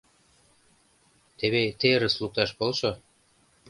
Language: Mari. Теве терыс лукташ полшо.